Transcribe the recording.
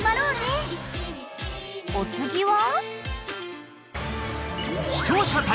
［お次は？］